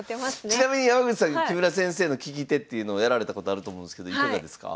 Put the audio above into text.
ちなみに山口さん木村先生の聞き手っていうのをやられたことあると思うんですけどいかがですか？